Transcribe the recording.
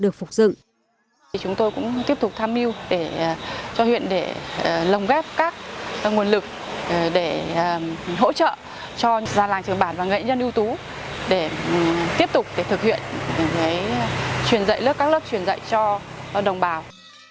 chúng tôi cũng tiếp tục tham mưu cho huyện để lồng ghép các nguồn lực để hỗ trợ cho nhà làng trưởng bản và nghệ nhân ưu tú để tiếp tục thực hiện các lớp truyền dạy cho đồng bào